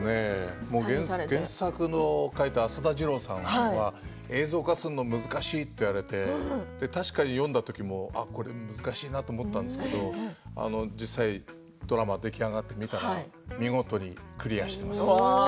原作を書いた浅田次郎さんは映像化するのが難しいと言われて確かに読んだ時これは難しいなと思ったんですけど実際、ドラマ出来上がって見たら見事にクリアしています。